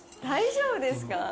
大丈夫ですか？